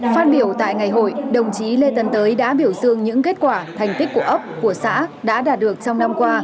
phát biểu tại ngày hội đồng chí lê tân tới đã biểu dương những kết quả thành tích của ấp của xã đã đạt được trong năm qua